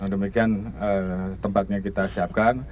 demikian tempatnya kita siapkan